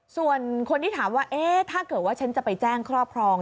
ส่วนคนที่ถามว่าเอ๊ะถ้าเกิดว่าฉันจะไปแจ้งครอบครอง